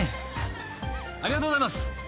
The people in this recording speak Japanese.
［ありがとうございます］